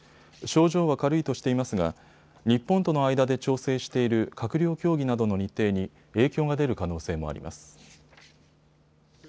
症状は軽いとしていますが日本との間で調整している閣僚協議などの日程に影響が出る可能性もあります。